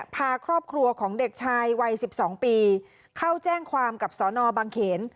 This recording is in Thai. พาครอบครัวของเด็กชายวัย๑๒ปีเข้าแจ้งความกับสอนอบางเขน